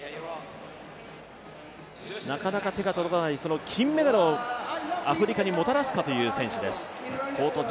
なかなか手が届かない金メダルをアフリカにもたらすかという選手です。